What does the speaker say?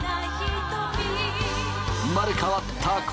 生まれ変わった昴